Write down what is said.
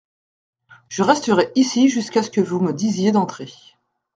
Je resterai ici jusqu’à ce que vous me disiez d’entrer.